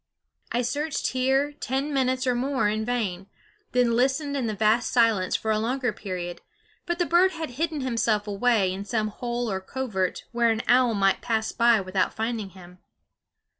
I searched here ten minutes or more in vain, then listened in the vast silence for a longer period; but the bird had hidden himself away in some hole or covert where an owl might pass by without finding him.